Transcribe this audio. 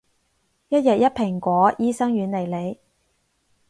一日一蘋果，醫生遠離你